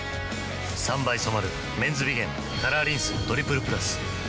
３倍染まる「メンズビゲンカラーリンストリプルプラス」